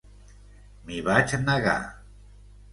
M'hi vaig negar.